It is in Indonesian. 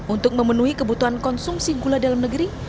untuk memenuhi kebutuhan konsumsi gula dalam negeri